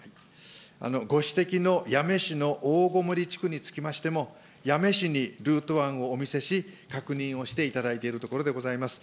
ご指摘の八女市の大籠地区につきましても、八女市にルート案をお見せし、確認をしていただいているところでございます。